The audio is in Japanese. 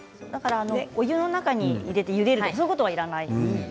お湯の中でゆでるとかそういうことはいらない。